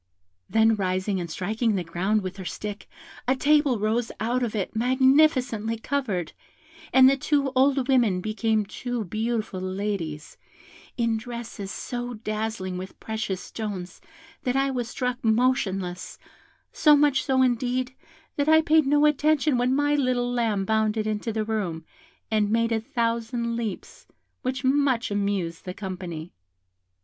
Then rising and striking the ground with her stick, a table rose out of it magnificently covered, and the two old women became two beautiful ladies, in dresses so dazzling with precious stones, that I was struck motionless, so much so, indeed, that I paid no attention when my little lamb bounded into the room, and made a thousand leaps, which much amused the company.